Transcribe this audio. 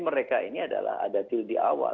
mereka ini adalah ada deal di awal